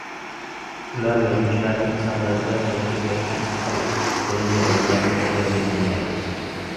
— ular yozuvchilarning asarlarida sochilib yotgan aql, bilim yog‘dularini bir yerga jamlaydi